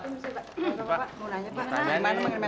hah untung ketemu kamu ya kebetulan banget